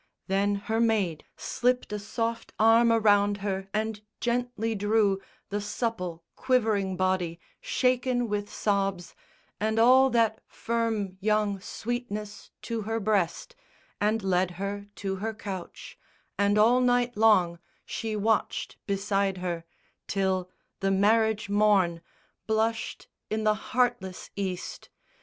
Then her maid Slipped a soft arm around her and gently drew The supple quivering body, shaken with sobs, And all that firm young, sweetness to her breast, And led her to her couch, and all night long She watched beside her, till the marriage morn Blushed in the heartless East.